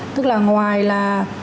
tức là ngoài là